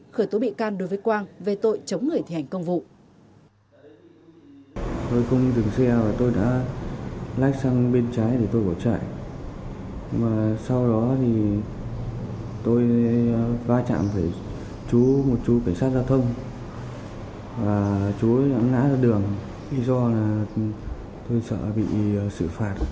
khởi tố bị can đối với quang về tội chống người thi hành công vụ